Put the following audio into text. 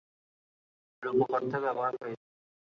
রুপক অর্থে ব্যবহার হয়েছে।